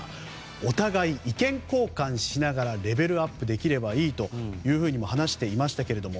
お互い意見交換しながらレベルアップできればいいと話していましたけれども。